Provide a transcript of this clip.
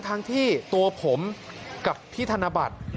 ทั้งที่ตัวผมกับพี่ธนบัตร